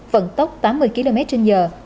vận tốc tám mươi km trên giờ